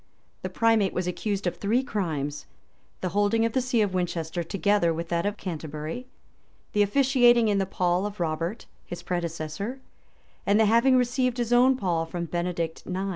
The primate was accused of three crimes; the holding of the see of Winchester together with that of Canterbury; the officiating in the pall of Robert, his predecessor; and the having received his own pall from Benedict IX.